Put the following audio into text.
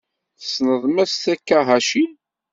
Tessneḍ Mass Takahashi?